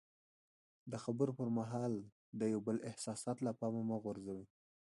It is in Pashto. د خبرو پر مهال د یو بل احساسات له پامه مه غورځوئ.